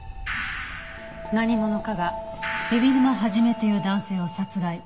何者かが海老沼肇という男性を殺害。